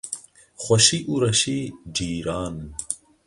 Xweşî û reşî cîran in.